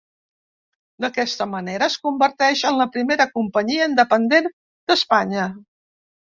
D'aquesta manera es converteix en la primera companyia independent d'Espanya.